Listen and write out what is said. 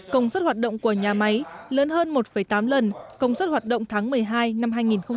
công suất hoạt động của nhà máy lớn hơn một tám lần công suất hoạt động tháng một mươi hai năm hai nghìn một mươi chín